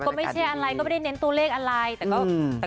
ก็ไม่ใช่อันไลน์ก็ไม่ได้เน้นตัวเลขอันไลน์